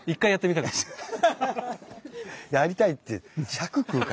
「やりたい」って。